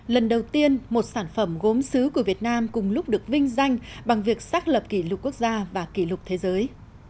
lần đầu tiên một sản phẩm gốm xứ của việt nam cùng lúc được vinh danh bằng việc xác lập kỷ lục quốc gia và kỷ lục thế giới